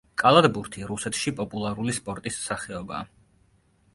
კალათბურთი რუსეთში პოპულარული სპორტის სახეობაა.